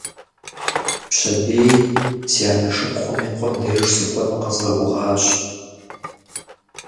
Пщэдей си анэ шыпхъум и къуэм деж сыкӀуэну къэзгъэгугъащ.